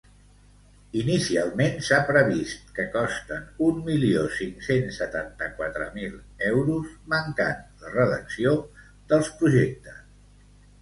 Inicialment, s’ha previst que costen un milió cinc-cents setanta-quatre mil euros mancant la redacció dels projectes.